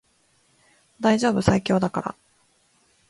大丈夫最強だから